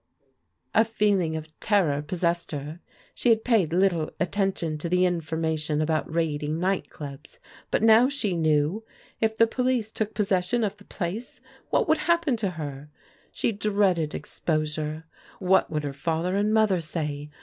A feeling of terror possessed her. She had paid little attention to the information about raiding night dobs, but now she knew. If the police took possession of die place what would happen to her? She dreaded ex posure. What would her father and mother say?